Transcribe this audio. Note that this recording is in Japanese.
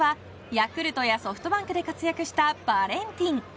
ヤクルトやソフトバンクで活躍したバレンティン。